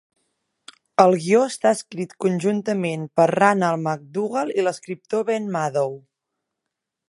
El guió està escrit conjuntament per Ranald MacDougall i l"escriptor Ben Maddow.